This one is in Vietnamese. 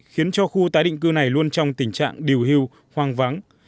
khiến cho khu tái định cư này luôn trong tình trạng điều hưu hoang vắng